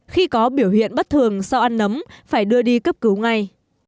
khi có biểu hiện bất thường sau ăn nấm phải đưa đi cấp cứu ngay